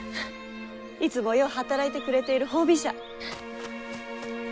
いつもよう働いてくれている褒美じゃ。